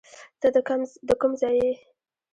ته د کم ځای یې